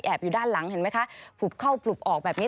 อยู่ด้านหลังเห็นไหมคะผลุบเข้าปลุกออกแบบนี้